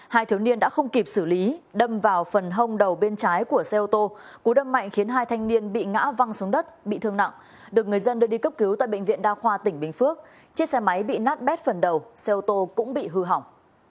hai thiếu niên đã không kịp xử lý đâm vào phần hông đầu bên trái của xe ô tô cú đâm mạnh khiến hai thanh niên bị ngã văng xuống đất bị thương nặng được người dân đưa đi cấp cứu tại bệnh viện đa khoa tỉnh bình phước chiếc xe máy bị nát bét phần đầu xe ô tô cũng bị hư hỏng